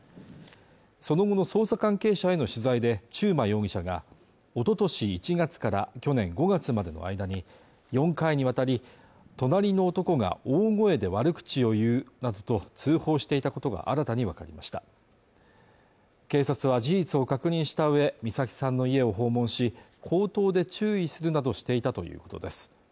その後の捜査関係者への取材で中馬容疑者がおととし１月から去年５月までの間に４回にわたり隣の男が大声で悪口を言うなどと通報していたことが新たに分かりました警察は事実を確認したうえ美崎さんの家を訪問し口頭で注意するなどしていたということです